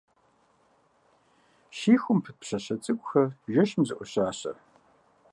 Щихум пыт пщӏащэ цӏыкӏухэр жэщым зоӏущащэ.